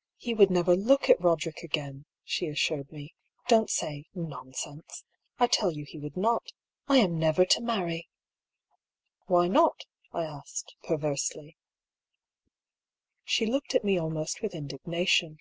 " He would never look at Eoderick again," she as sured me. " Don't say * nonsense.' I tell you he would not. I am never to marry I "" Why not? " I asked, perversely. She looked at me almost with indignation.